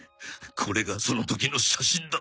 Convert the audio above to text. これがその時の写真だ。